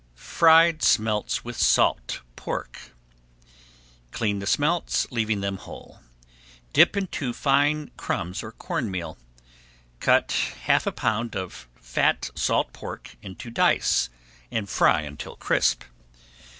FRIED SMELTS WITH SALT PORK Clean the smelts, leaving them whole. Dip into fine crumbs or corn meal. Cut half a pound of fat salt pork into dice, and fry until crisp.